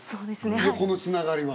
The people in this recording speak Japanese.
横のつながりは。